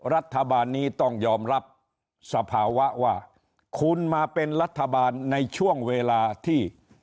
รัฐบาลนี้ต้องยอมรับสภาวะว่าคุณมาเป็นรัฐบาลในช่วงเวลาที่